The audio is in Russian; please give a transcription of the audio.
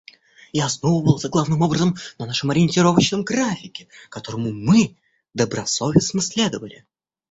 Я основывался главным образом на нашем ориентировочном графике, которому мы добросовестно следовали.